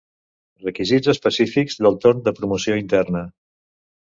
Requisits específics del torn de promoció interna.